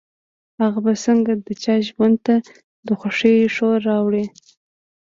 هغه به څنګه د چا ژوند ته د خوښيو شور راوړي.